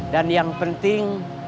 dan yang penting